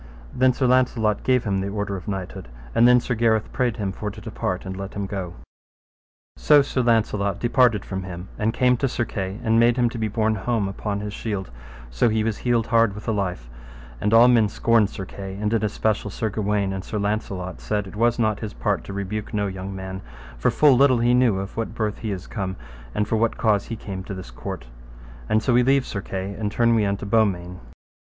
And then Sir Launcelot gave him the order of knighthood, and then Sir Gareth prayed him for to depart and let him go. So Sir Launcelot departed from him and came to Sir Kay, and made him to be borne home upon his shield, and so he was healed hard with the life; and all men scorned Sir Kay, and in especial Sir Gawaine and Sir Launcelot said it was not his part to rebuke no young man, for full little knew he of what birth he is come, and for what cause he came to this court; and so we leave Sir Kay and turn we unto Beaumains.